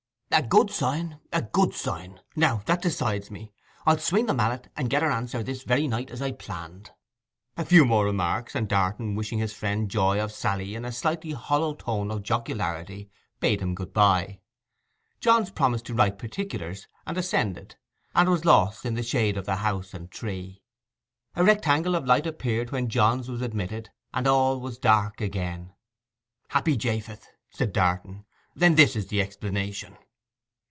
'A good sign, a good sign. Now that decides me. I'll swing the mallet and get her answer this very night as I planned.' A few more remarks, and Darton, wishing his friend joy of Sally in a slightly hollow tone of jocularity, bade him good bye. Johns promised to write particulars, and ascended, and was lost in the shade of the house and tree. A rectangle of light appeared when Johns was admitted, and all was dark again. 'Happy Japheth!' said Darton. 'This then is the explanation!